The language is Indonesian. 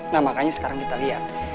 nah makanya sekarang kita lihat